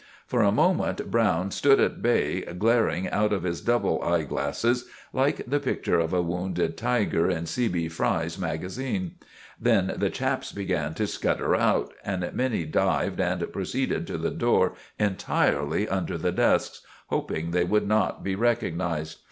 For a moment Browne stood at bay, glaring out of his double eye glasses, like the picture of a wounded tiger in C. B. Fry's Magazine; then the chaps began to scutter out, and many dived and proceeded to the door entirely under the desks, hoping they would not be recognized.